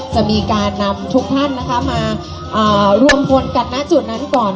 จะมีการนำทุกท่านนะคะมารวมพลกันณจุดนั้นก่อน